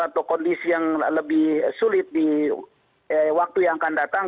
atau kondisi yang lebih sulit di waktu yang akan datang